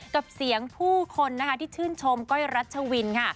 กับเสียงผู้คนนะคะที่ชื่นชมก้อยรัชวินค่ะ